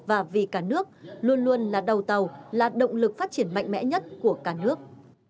và vì cả nước luôn luôn là đầu tàu là động lực phát triển mạnh mẽ nhất của cả nước